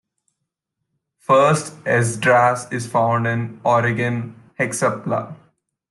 First Esdras is found in Origen's "Hexapla".